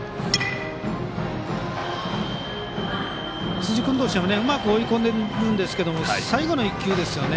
辻君としてはうまく追い込んでいるんですが最後の１球ですね。